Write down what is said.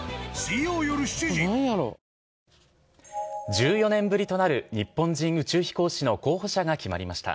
１４年ぶりとなる日本人宇宙飛行士の候補者が決まりました。